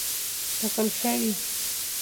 ټاکل شوې.